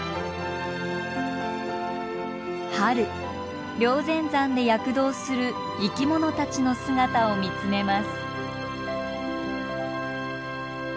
春霊仙山で躍動する生きものたちの姿を見つめます。